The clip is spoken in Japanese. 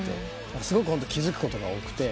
すごく気付くことが多くて。